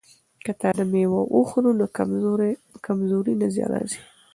که تازه میوه وخورو نو کمزوري نه راځي.